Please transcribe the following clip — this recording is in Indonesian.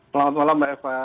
selamat malam mbak eva